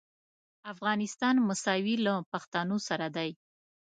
افغانستان مساوي له پښتنو سره دی.